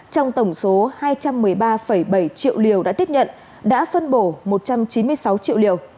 trong tổng số hai trăm một mươi ba bảy triệu liều đã tiếp nhận đã phân bổ một trăm chín mươi sáu triệu liều